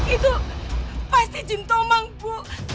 itu pasti jin tomang bu